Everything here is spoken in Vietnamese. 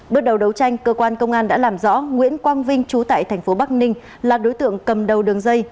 bước đầu đấu tranh cơ quan công an đã làm rõ nguyễn quang vinh trú tại tp bắc ninh là đối tượng cầm đầu đường dây